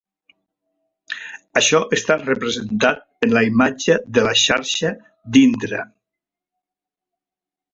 Això està representat en la imatge de la xarxa d'Indra.